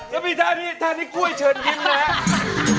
แล้วมีท่านี้ท่านี้กล้วยเฉินกินแหละ